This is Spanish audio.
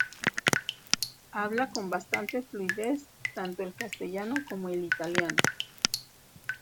Habla con bastante fluidez tanto el castellano como el italiano.